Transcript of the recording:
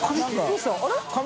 どうした？